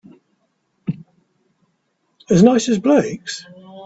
As nice as Blake's?